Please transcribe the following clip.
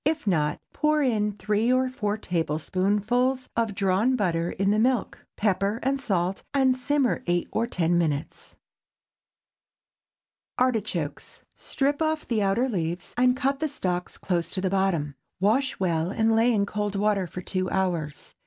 If not, pour in three or four tablespoonfuls of butter drawn in milk, pepper and salt, and simmer eight or ten minutes. ARTICHOKES. Strip off the outer leaves, and cut the stalks close to the bottom. Wash well and lay in cold water two hours.